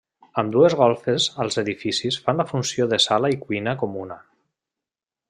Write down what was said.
Ambdues golfes als edificis fan la funció de sala i cuina comuna.